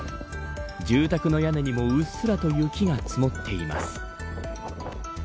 住宅の屋根にもうっすらと雪が積もっています。